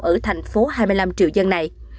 ở thành phố hai mươi năm triệu dân này